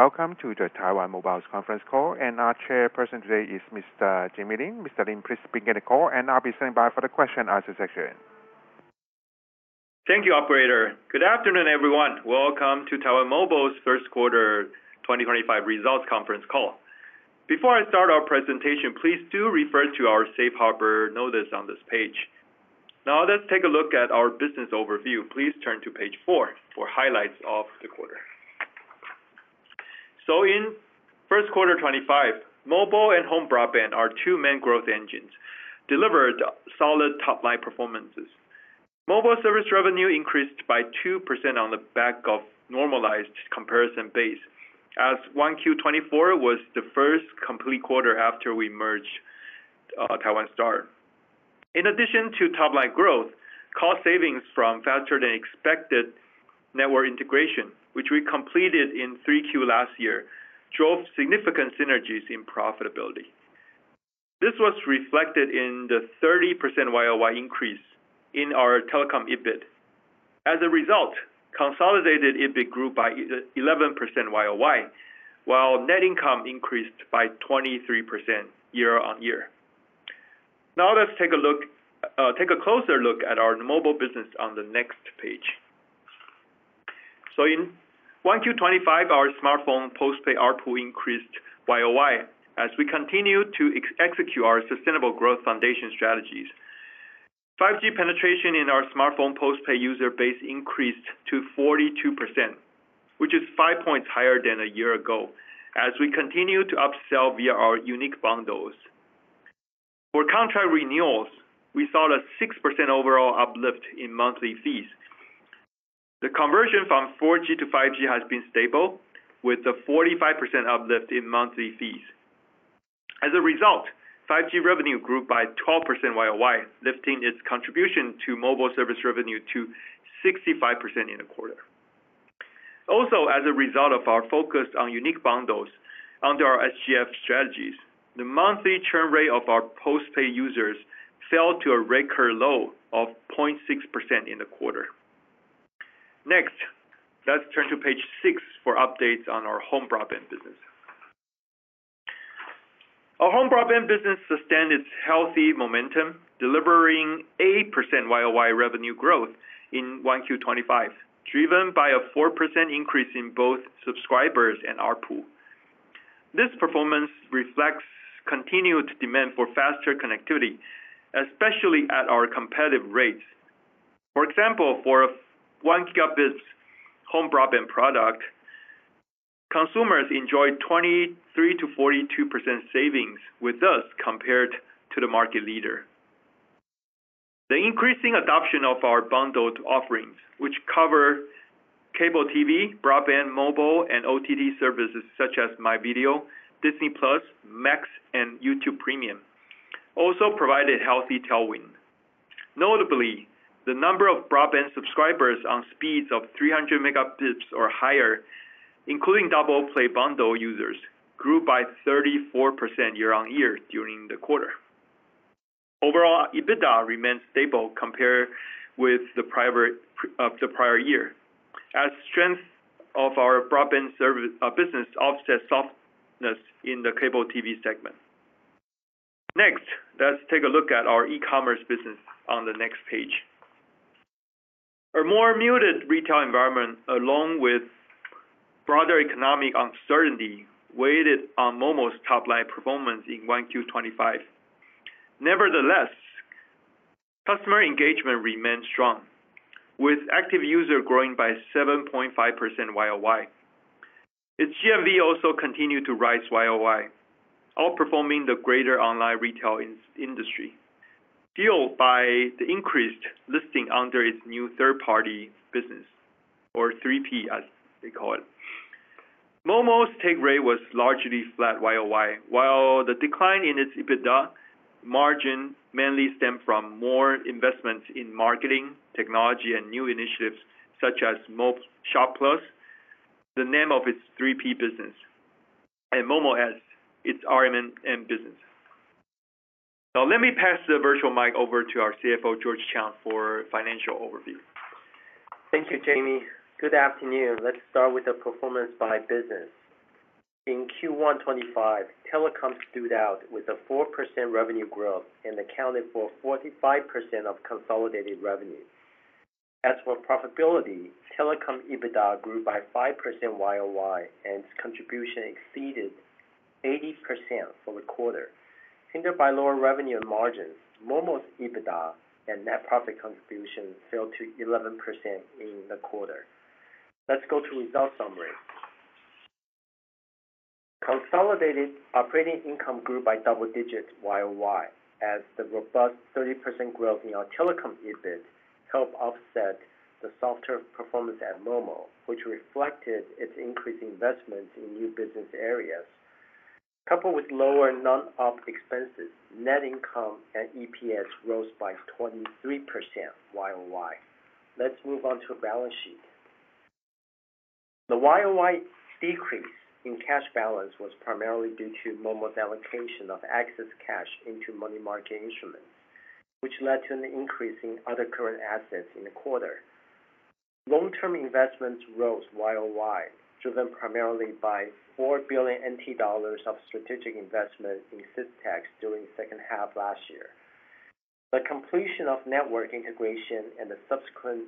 Welcome to the Taiwan Mobile's conference call, and our Chairperson today is Mr. Jamie Lin. Mr. Lin, please begin the call, and I'll be standing by for the question-and-answer session. Thank you, Operator. Good afternoon, everyone. Welcome to Taiwan Mobile's first quarter 2025 results conference call. Before I start our presentation, please do refer to our safe harbor notice on this page. Now, let's take a look at our business overview. Please turn to page four for highlights of the quarter. In first quarter 2025, mobile and home broadband are two main growth engines delivered solid top-line performances. Mobile service revenue increased by 2% on the back of normalized comparison base, as 1Q 2024 was the first complete quarter after we merged Taiwan Star. In addition to top-line growth, cost savings from faster-than-expected network integration, which we completed in 3Q last year, drove significant synergies in profitability. This was reflected in the 30% YoY increase in our telecom EBIT. As a result, consolidated EBIT grew by 11% YoY, while net income increased by 23% year-on-year. Now, let's take a closer look at our mobile business on the next page. In 1Q 2025, our smartphone postpaid output increased YoY as we continue to execute our sustainable growth foundation strategies. 5G penetration in our smartphone postpaid user base increased to 42%, which is five points higher than a year ago as we continue to upsell via our unique bundles. For contract renewals, we saw a 6% overall uplift in monthly fees. The conversion from 4G to 5G has been stable, with a 45% uplift in monthly fees. As a result, 5G revenue grew by 12% YoY, lifting its contribution to mobile service revenue to 65% in the quarter. Also, as a result of our focus on unique bundles under our SGF strategies, the monthly churn rate of our postpaid users fell to a record low of 0.6% in the quarter. Next, let's turn to page six for updates on our home broadband business. Our home broadband business sustained its healthy momentum, delivering 8% YoY revenue growth in 1Q 2025, driven by a 4% increase in both subscribers and ARPU. This performance reflects continued demand for faster connectivity, especially at our competitive rates. For example, for a 1 Gb home broadband product, consumers enjoyed 23%-42% savings with us compared to the market leader. The increasing adoption of our bundled offerings, which cover cable TV, broadband mobile, and OTT services such as MyVideo, Disney+, Max, and YouTube Premium, also provided healthy tailwind. Notably, the number of broadband subscribers on speeds of 300 Mbps or higher, including Double Play bundle users, grew by 34% year-on-year during the quarter. Overall, EBITDA remained stable compared with the prior year as strength of our broadband service business offset softness in the cable TV segment. Next, let's take a look at our e-commerce business on the next page. A more muted retail environment, along with broader economic uncertainty, weighed on momo's top-line performance in 1Q 2025. Nevertheless, customer engagement remained strong, with active users growing by 7.5% YoY. Its GMV also continued to rise YoY, outperforming the greater online retail industry, fueled by the increased listing under its new third-party business, or 3P, as they call it. momo's take rate was largely flat YoY, while the decline in its EBITDA margin mainly stemmed from more investment in marketing, technology, and new initiatives such as mo-shop+, the name of its 3P business, and momoAds, its RMN business. Now, let me pass the virtual mic over to our CFO, George Chang, for a financial overview. Thank you, Jamie. Good afternoon. Let's start with the performance by business. In Q1 2025, telecom stood out with a 4% revenue growth and accounted for 45% of consolidated revenue. As for profitability, telecom EBITDA grew by 5% YoY, and its contribution exceeded 80% for the quarter. Hindered by lower revenue and margins, momo's EBITDA and net profit contribution fell to 11% in the quarter. Let's go to the results summary. Consolidated operating income grew by double digits YoY, as the robust 30% growth in our telecom EBIT helped offset the softer performance at momo, which reflected its increased investment in new business areas. Coupled with lower non-op expenses, net income and EPS rose by 23% YoY. Let's move on to the balance sheet. The YoY decrease in cash balance was primarily due to momo's allocation of excess cash into money market instruments, which led to an increase in other current assets in the quarter. Long-term investments rose YoY, driven primarily by 4 billion NT dollars of strategic investment in Systex during the second half last year. The completion of network integration and the subsequent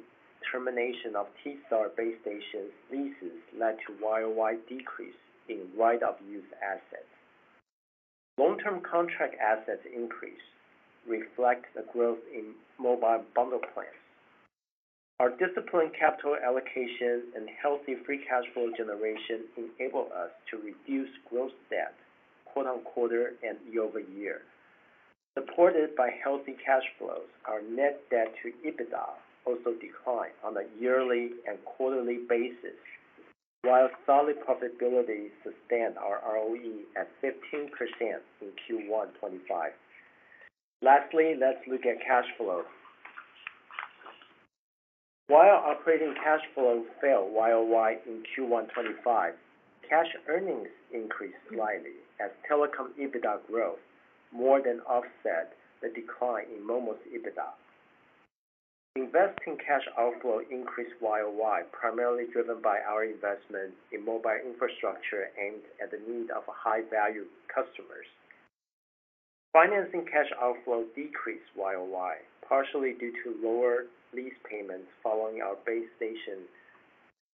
termination of T Star base station leases led to YoY decrease in right-of-use assets. Long-term contract assets increase reflect the growth in mobile bundle plans. Our disciplined capital allocation and healthy free cash flow generation enable us to reduce gross debt quarter-on-quarter and year-over-year. Supported by healthy cash flows, our net debt to EBITDA also declined on a yearly and quarterly basis, while solid profitability sustained our ROE at 15% in Q1 2025. Lastly, let's look at cash flow. While operating cash flow fell YoY in Q1 2025, cash earnings increased slightly as telecom EBITDA growth more than offset the decline in momo's EBITDA. Investing cash outflow increased YoY, primarily driven by our investment in mobile infrastructure aimed at the need of high-value customers. Financing cash outflow decreased YoY, partially due to lower lease payments following our base station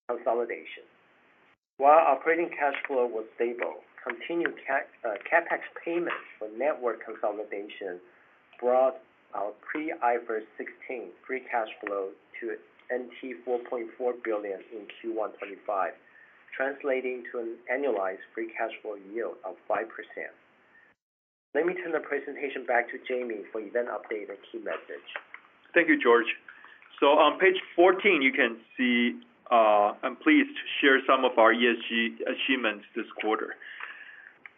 consolidation. While operating cash flow was stable, continued CapEx payments for network consolidation brought our pre-IFRS 16 free cash flow to 4.4 billion in Q1 2025, translating to an annualized free cash flow yield of 5%. Let me turn the presentation back to Jamie for event update and key message. Thank you, George. On page 14, you can see I'm pleased to share some of our ESG achievements this quarter.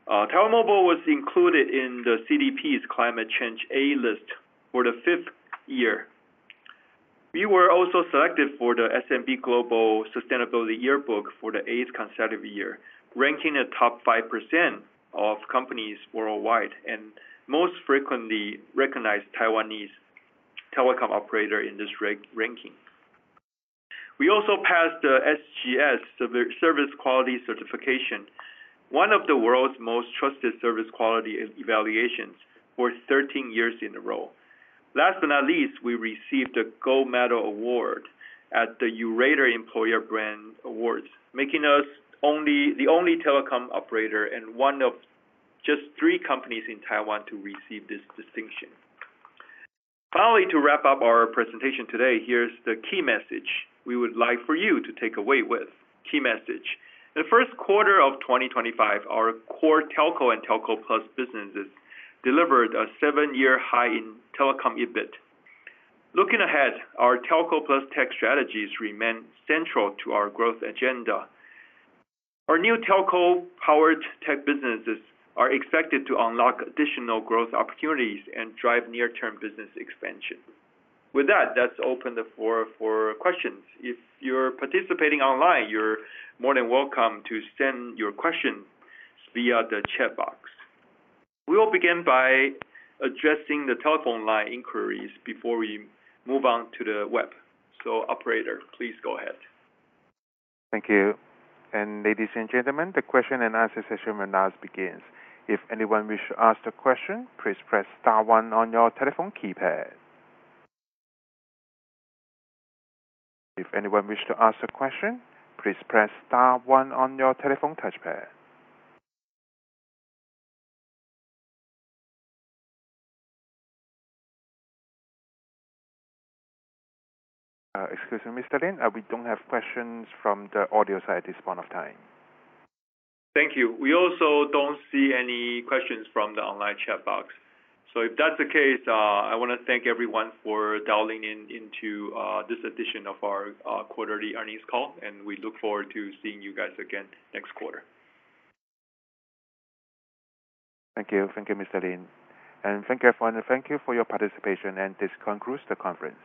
Taiwan Mobile was included in the CDP's Climate Change A list for the fifth year. We were also selected for the S&P Global Sustainability Yearbook for the eighth consecutive year, ranking a top 5% of companies worldwide and most frequently recognized Taiwanese telecom operator in this ranking. We also passed the SGS Service Quality Certification, one of the world's most trusted service quality evaluations, for 13 years in a row. Last but not least, we received the Gold Medal Award at the Yourator Employer Brand Awards, making us the only telecom operator and one of just three companies in Taiwan to receive this distinction. Finally, to wrap up our presentation today, here's the key message we would like for you to take away with. Key message. In the first quarter of 2025, our core Telco and Telco+ businesses delivered a seven-year high in telecom EBIT. Looking ahead, our Telco+ Tech strategies remain central to our growth agenda. Our new telco-powered tech businesses are expected to unlock additional growth opportunities and drive near-term business expansion. With that, let's open the floor for questions. If you're participating online, you're more than welcome to send your questions via the chat box. We will begin by addressing the telephone line inquiries before we move on to the web. Operator, please go ahead. Thank you. Ladies and gentlemen, the question-and-answer session will now begin. If anyone wishes to ask a question, please press star one on your telephone keypad. If anyone wishes to ask a question, please press star one on your telephone touchpad. Excuse me, Mr. Lin. We do not have questions from the audio side at this point of time. Thank you. We also do not see any questions from the online chat box. If that is the case, I want to thank everyone for dialing in into this edition of our quarterly earnings call, and we look forward to seeing you guys again next quarter. Thank you. Thank you, Mr. Lin. Thank you, everyone. Thank you for your participation, and this concludes the conference.